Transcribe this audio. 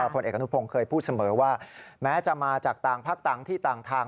ผลเอกอนุพงศ์เคยพูดเสมอว่าแม้จะมาจากต่างพักต่างที่ต่างทาง